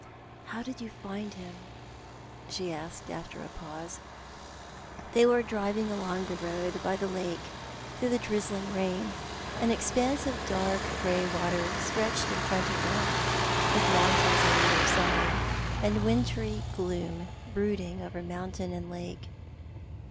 "How did you find him?" she asked, after a pause. They were driving along the road by the lake, through the drizzling rain. An expanse of dark grey water stretched in front of them, with mountains on either side, and wintry gloom brooding over mountain and lake.